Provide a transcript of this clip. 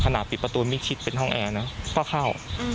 ปิดประตูไม่คิดเป็นห้องแอร์นะก็เข้า